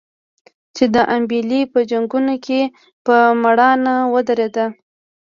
چې د امبېلې په جنګونو کې په مړانه ودرېد.